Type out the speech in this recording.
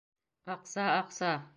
Аҡса, аҡса.